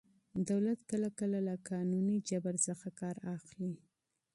دولت کله کله له قانوني جبر څخه کار اخلي.